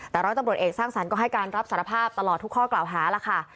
แต่ร้อยตำรวจเอกสร้างสรรค์ก็ให้การรับสารภาพตลอดทุกข้อกล่าวหาแล้วค่ะ